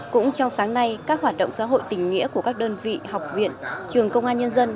cũng trong sáng nay các hoạt động xã hội tình nghĩa của các đơn vị học viện trường công an nhân dân